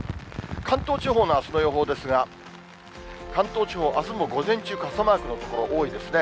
関東地方のあすの予報ですが、関東地方、あすも午前中、傘マークの所が多いですね。